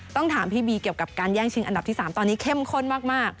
ต้องถามพี่บีเกี่ยวกับการแย่งชิงอันดับที่๓ตอนนี้เข้มข้นมาก